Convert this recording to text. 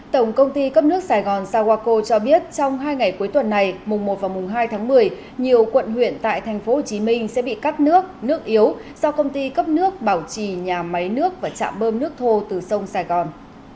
tổng công ty cấp nước sài gòn sawako cho biết trong hai ngày cuối tuần này mùng một và mùng hai tháng một mươi nhiều quận huyện tại tp hcm sẽ bị cắt nước nước yếu do công ty cấp nước bảo trì nhà máy nước và trạm bơm nước thô từ sông sài gòn